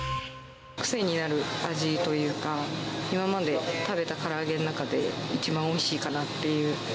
癖になる味というか、今まで食べたから揚げの中で、一番おいしいかなっていう。